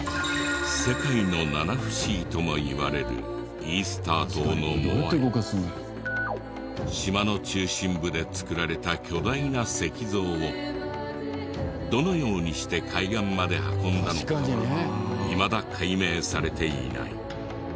世界の七不思議ともいわれる島の中心部で作られた巨大な石像をどのようにして海岸まで運んだのかはいまだ解明されていない。